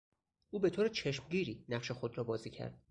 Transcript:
او به طور چشمگیری نقش خود را بازی کرد.